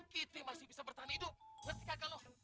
kita masih bisa bertahan hidup mesti kagak loh